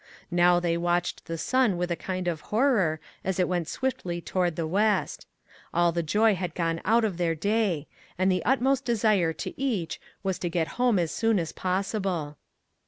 Now they watched the sun with a kind of horror as it went swiftly toward the west; all the joy had gone out of their day, and the utmost desire of each was to get home as soon as possible.